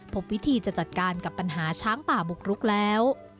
พบวิธีจะจัดการกับปัญหาช้างป่าบุกรุกแล้ว